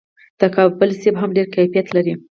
د کابل مڼې هم ډیر کیفیت لري.